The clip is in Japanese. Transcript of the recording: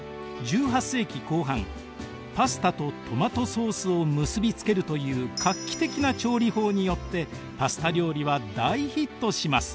１８世紀後半パスタとトマトソースを結び付けるという画期的な調理法によってパスタ料理は大ヒットします。